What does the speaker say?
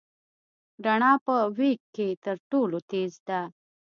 رڼا په وېګ کې تر ټولو تېز ده.